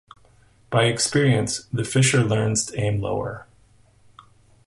By experience, the fisher learns to aim lower.